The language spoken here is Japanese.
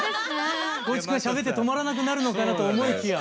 光一君がしゃべって止まらなくなるのかなと思いきや。